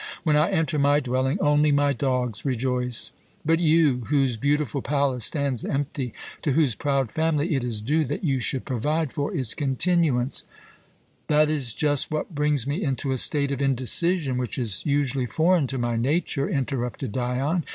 When I enter my dwelling only my dogs rejoice. But you, whose beautiful palace stands empty, to whose proud family it is due that you should provide for its continuance " "That is just what brings me into a state of indecision, which is usually foreign to my nature," interrupted Dion.